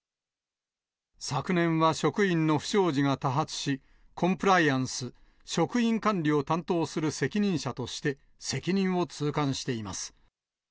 昨年は職員の不祥事が多発し、コンプライアンス、職員管理を担当する責任者として、責任を痛感しています。